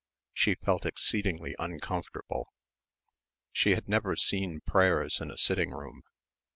She felt exceedingly uncomfortable. She had never seen prayers in a sitting room.